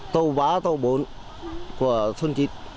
tô bá tô bốn của thôn chín